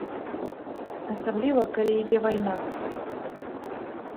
Асабліва, калі ідзе вайна.